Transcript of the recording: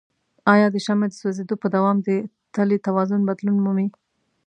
آیا د شمع د سوځیدو په دوام د تلې توازن بدلون مومي؟